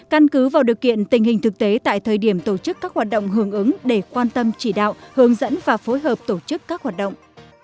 căn cứ vào điều kiện tình hình thực tế tại thời điểm tổ chức các hoạt động hưởng ứng để quan tâm chỉ đạo hướng dẫn và phối hợp tổ chức các hoạt động